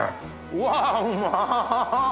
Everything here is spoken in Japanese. うわうま！